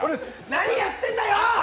何やってんだよ！